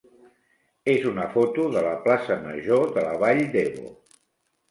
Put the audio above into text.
és una foto de la plaça major de la Vall d'Ebo.